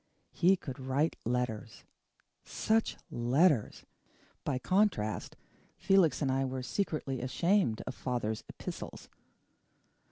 He could write letters. Such letters! By contrast, Felix and I were secretly ashamed of father's epistles.